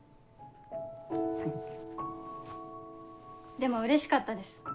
でもうれしかったです。